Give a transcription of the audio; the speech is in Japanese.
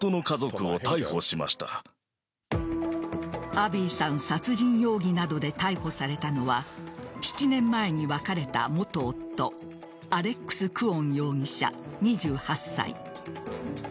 アビーさん殺人容疑などで逮捕されたのは７年前に別れた元夫アレックス・クォン容疑者２８歳。